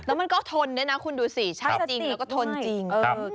แล้วมันก็ทนด้วยนะคุณดูสิใช่จริงแล้วก็ทนจริง